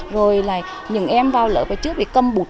rồi là những em vào lỡ về trước thì cầm bụt